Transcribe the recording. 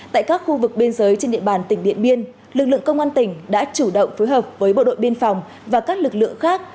tại các khu vực biên giới trên địa bàn tỉnh điện biên lực lượng công an tỉnh đã chủ động phối hợp với bộ đội biên phòng và các lực lượng khác